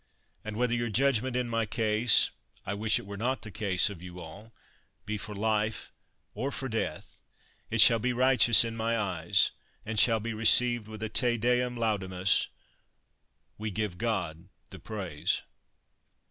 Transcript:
And whether your judgment in my case— I wish it were not the case of you all— be for life or for death, it shall be righteous in my eyes and shall be received with a Te Deum laudamus—we give God the praise.